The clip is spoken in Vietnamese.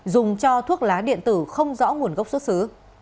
dùng cho thuốc lá điện tử không rõ nguồn gốc xuất xứ